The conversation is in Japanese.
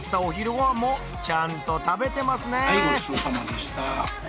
はいごちそうさまでした！